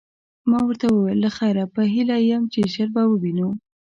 ما ورته وویل: له خیره، په هیله یم چي ژر به ووینو.